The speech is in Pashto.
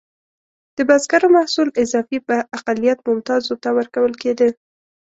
د بزګرو محصول اضافي به اقلیت ممتازو ته ورکول کېده.